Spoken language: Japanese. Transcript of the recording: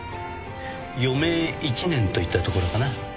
余命１年といったところかな。